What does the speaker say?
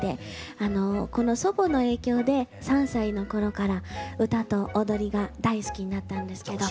この祖母の影響で３歳の頃から歌と踊りが大好きになったんですけど。